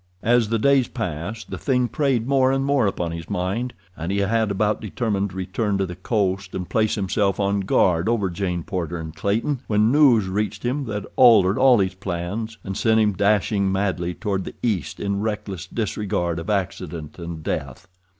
As the days passed the thing preyed more and more upon his mind, and he had about determined to return to the coast and place himself on guard over Jane Porter and Clayton, when news reached him that altered all his plans and sent him dashing madly toward the east in reckless disregard of accident and death.